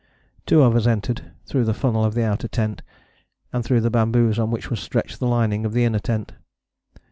Two of us entered, through the funnel of the outer tent, and through the bamboos on which was stretched the lining of the inner tent.